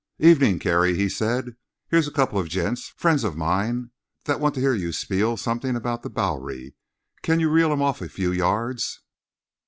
"Evening, Kerry," he said. "Here's a couple of gents, friends of mine, that want to hear you spiel something about the Bowery. Can you reel 'em off a few yards?"